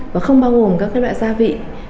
và không bao gồm các cái loại gia vị